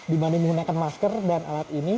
dibanding menggunakan masker dan alat ini